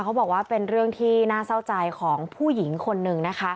เขาบอกว่าเป็นเรื่องที่น่าเศร้าใจของผู้หญิงคนหนึ่งนะคะ